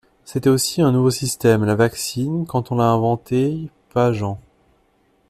«C'était aussi un nouveau système, la vaccine, quand on l'a inventée, Pageant.